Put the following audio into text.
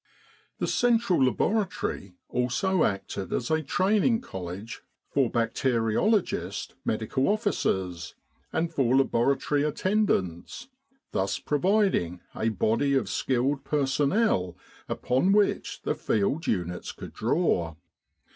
The central laboratory also acted as a training college for bacteriologist M.O.'s and for laboratory attendants, thus providing a body of skilled personnel upon which the field units could draw.